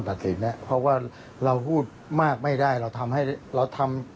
ไม่มีใครไปว่าท่านสร้างภาพหรือครับ